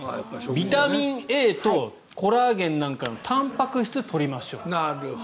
ビタミンＡとコラーゲンなんかのたんぱく質を取りましょうと。